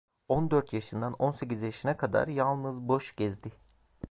On dört yaşından on sekiz yaşına kadar yalnız boş gezdi.